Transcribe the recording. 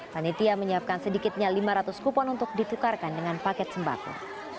panitia menyiapkan sedikitnya lima ratus kupon untuk ditukarkan dengan paket sembako